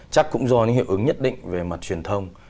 chắc cũng do những hiệu ứng nhất định về mặt truyền thông